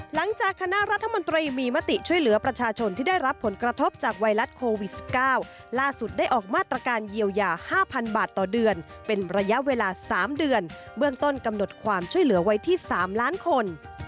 หลังจากคณะรัฐมนตรีมีมติช่วยเหลือประชาชนที่ได้รับผลกระทบจากไวรัสโควิด๑๙ล่าสุดได้ออกมาตรการเยียวยา๕๐๐๐บาทต่อเดือนเป็นระยะเวลา๓เดือนเบื้องต้นกำหนดความช่วยเหลือไว้ที่๓ล้านคน